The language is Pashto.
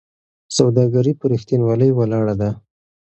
سوداګري په رښتینولۍ ولاړه ده.